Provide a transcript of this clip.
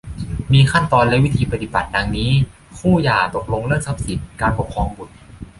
มีขั้นตอนและวิธีปฏิบัติ ดังนี้ คู่หย่าตกลงเรื่องทรัพย์สิน การปกครองบุตร